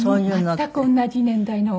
全く同じ年代の方で。